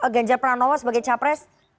ganjur peran allah sebagai cawapres